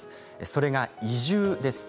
それが移住です。